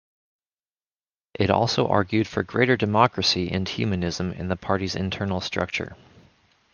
It also argued for greater democracy and humanism in the party's internal structure.